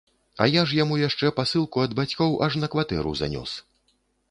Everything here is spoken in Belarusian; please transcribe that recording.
А я ж яму яшчэ пасылку ад бацькоў аж на кватэру занёс.